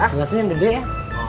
kasusnya yang gede ya